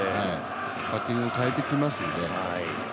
バッティング変えてきますんで。